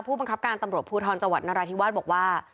บังคับการตำรวจภูทรจังหวัดนราธิวาสบอกว่า